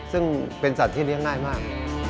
ซึ่งเป็นสัตว์ที่เลี้ยงง่ายมาก